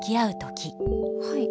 はい。